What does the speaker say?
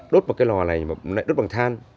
đốt vào cái lò này đốt bằng than